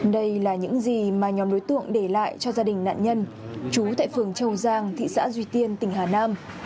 đây là những gì mà nhóm đối tượng để lại cho gia đình nạn nhân trú tại phường châu giang thị xã duy tiên tỉnh hà nam